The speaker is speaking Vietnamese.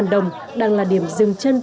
năm đồng đang là điểm dừng chân